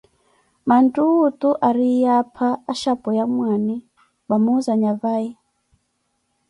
manttuwi otu ariiye apha ashapweya mwaani, mwamuuzaya vai?